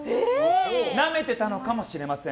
なめてたのかもしれません。